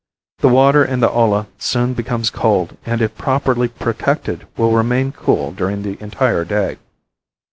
The water in the olla soon becomes cold and if properly protected will remain cool during the entire day.